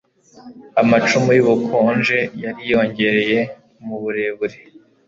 Amacumu yubukonje yariyongereye muburebure